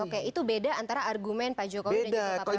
oke itu beda antara argumen pak jokowi dan juga pak prabowo